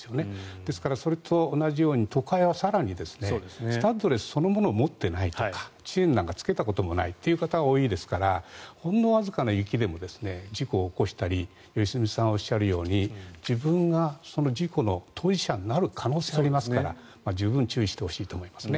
ですからそれと同じように都会は更にスタッドレスそのものを持っていないとかチェーンなんかつけたこともないって人が多いですからほんのわずかな雪でも事故を起こしたり良純さんがおっしゃるように自分がその事故の当事者になる可能性がありますから十分、注意してほしいと思いますね。